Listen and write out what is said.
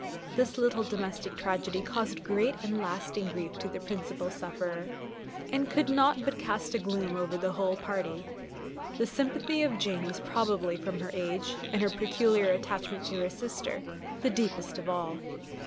This little domestic tragedy caused great and lasting grief to the principal sufferer, and could not but cast a gloom over the whole party. The sympathy of Jane was probably, from her age, and her peculiar attachment to her sister, the deepest of all.